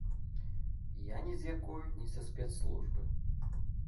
Я ні з якой не са спецслужбы.